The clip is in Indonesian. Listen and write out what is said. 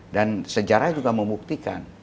dan sejarah juga membuktikan